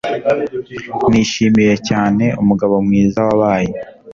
nishimiye cyane umugabo mwiza wabaye